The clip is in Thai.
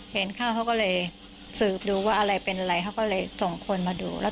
เห็นเข้าเขาก็เลยสืบดูว่าอะไรเป็นอะไรเขาก็เลยส่งคนมาดู